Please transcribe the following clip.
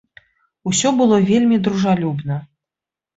Усё было вельмі дружалюбна.